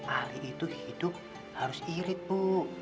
ahli itu hidup harus irit bu